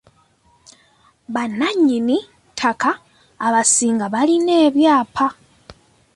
Bannannyini ttaka abasinga balina epyaapa.